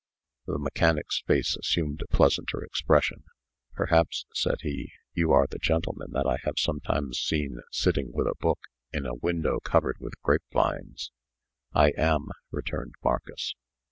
The mechanic's face assumed a pleasanter expression. "Perhaps," said he, "you are the gentleman that I have sometimes seen sitting with a book, in a window covered with grape vines?" "I am," returned Marcus.